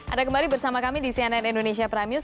ada kembali bersama kami di cnn indonesia prime news